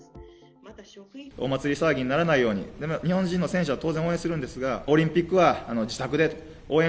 お祭り騒ぎにならないように、日本人の選手は当然応援するんですが、オリンピックは自宅で応援。